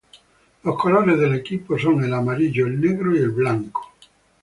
Los colores del equipo son el amarillo, el negro y el blanco.